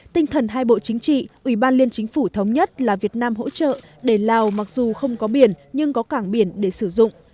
tinh thần hai bộ chính trị ủy ban liên chính phủ thống nhất là việt nam hỗ trợ để lào mặc dù không có biển nhưng có cảng biển để sử dụng